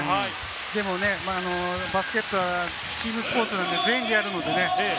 でもバスケットはチームスポーツなので、全員でやるのでね。